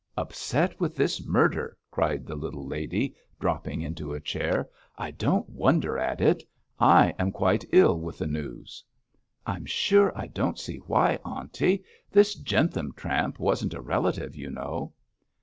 'Upset with this murder!' cried the little lady, dropping into a chair. 'I don't wonder at it. I am quite ill with the news.' 'I'm sure I don't see why, aunty. This Jentham tramp wasn't a relative, you know.'